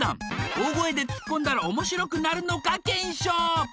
大声で突っ込んだら面白くなるのか検証